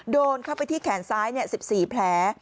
โดนเข้าไปที่แขนซ้าย๑๔แผล